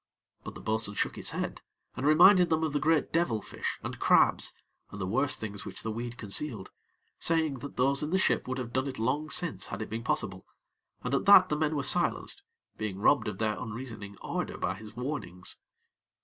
But the bo'sun shook his head, and reminded them of the great devil fish and crabs, and the worse things which the weed concealed, saying that those in the ship would have done it long since had it been possible, and at that the men were silenced, being robbed of their unreasoning ardor by his warnings.